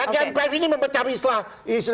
gnps ini memecah umat